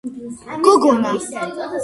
გოგონა